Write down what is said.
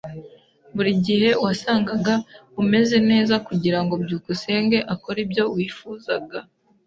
Buri gihe wasangaga umeze neza kugirango byukusenge akore ibyo wifuzaga.